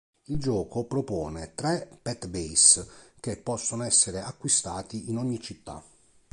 Il gioco propone tre pet base, che possono essere acquistati in ogni città.